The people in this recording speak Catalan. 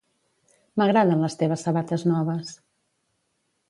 M’agraden les teves sabates noves.